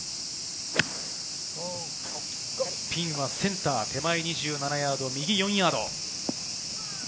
ピンはセンター手前に１７ヤード、右４ヤード。